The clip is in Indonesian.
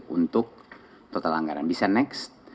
untuk total anggaran bisa next